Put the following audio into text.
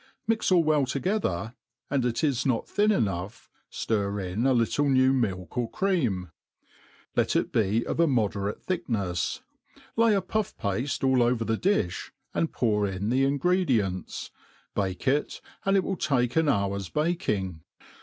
Mix a[ll well together^ and ir it is not thm enough, ftir in a little new milk or creanEi. Let it be of a moderate thicknefs, lay a puff pafte all over the di(h, and pour in the ingredients. Bake it; it will take aa hour's baking.